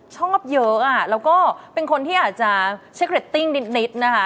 ชอบเยอะแล้วก็เป็นคนที่อาจจะใช้เรตติ้งนิดนะคะ